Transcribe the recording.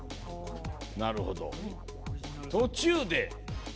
なるほど「途中で」